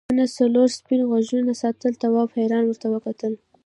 ونه څلورو سپین غوږو ساتله تواب حیران ورته وکتل.